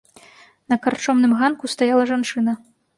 На карчомным ганку стаяла жанчына.